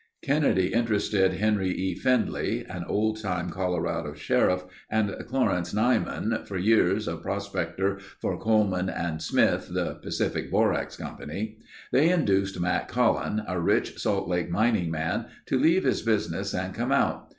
"Kennedy interested Henry E. Findley, an old time Colorado sheriff and Clarence Nyman, for years a prospector for Coleman and Smith (the Pacific Borax Company). They induced Mat Cullen, a rich Salt Lake mining man, to leave his business and come out.